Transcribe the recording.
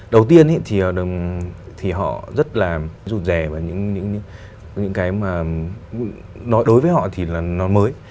đầu tiên thì họ rất là rụt rè và những cái mà đối với họ thì là nó mới